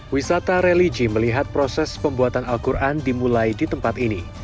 wisata religi melihat proses pembuatan al quran dimulai di tempat ini